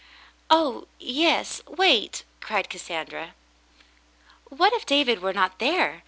"Oh, yes. Wait," cried Cassandra. What if David were not there